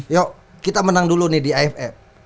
yuk kita menang dulu nih di aff